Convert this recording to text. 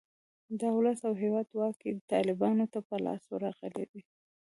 د اولس او هیواد واګې طالیبانو ته په لاس ورغلې دي.